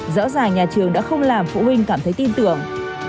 rõ ràng nhà trường đã không làm phụ huynh cảm thấy tin tưởng